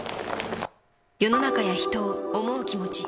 世の中や人を思う気持ち。